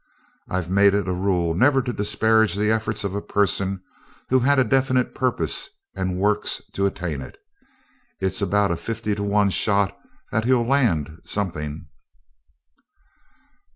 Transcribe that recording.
I've made it a rule never to disparage the efforts of a person who had a definite purpose and works to attain it. It's about a fifty to one shot that he'll land sometime."